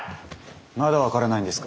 まだ分からないんですか？